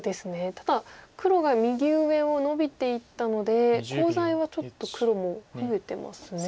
ただ黒が右上をノビていったのでコウ材はちょっと黒も増えてますね。